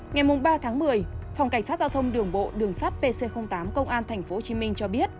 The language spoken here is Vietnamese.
ngày ba tháng một mươi phòng cảnh sát giao thông đường bộ đường sát pc tám công an thành phố hồ chí minh cho biết